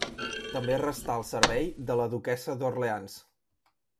També restà al servei de la duquessa d'Orleans.